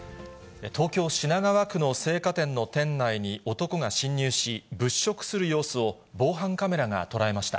東京・品川区の青果店の店内に男が侵入し、物色する様子を、防犯カメラが捉えました。